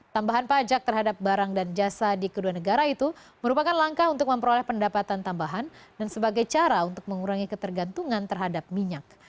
tambahan pajak terhadap barang dan jasa di kedua negara itu merupakan langkah untuk memperoleh pendapatan tambahan dan sebagai cara untuk mengurangi ketergantungan terhadap minyak